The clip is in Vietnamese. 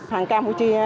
hàng campuchia qua đó